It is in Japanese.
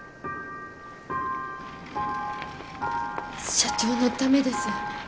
社長のためです。